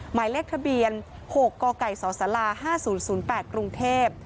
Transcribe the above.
หมายเลขทะเบียน๖กไก่สศ๕๐๐๘กรุงเทพ